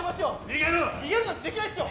逃げろ逃げろ逃げるなんてできないっすよ